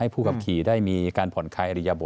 ผิดครับ